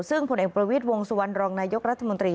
ซึ่งผลเอกประวิทย์วงสุวรรณรองนายกรัฐมนตรี